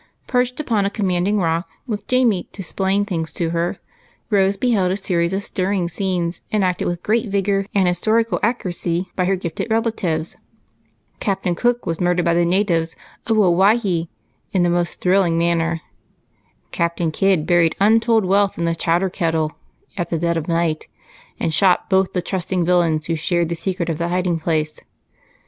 Perched upon a commanding rock, Avith Jamie to " splain " things to her, Rose beheld a series of stir ring scenes enacted with great vigor and historical accuracy by her gifted relatives. Captain Cook was murdered by the natives of Owhy hee in the most thrilling manner. Captain Kidd buried untold wealth in the chowder kettle at the dead of night, and shot both the trusting villains who shared the secret of the hiding place.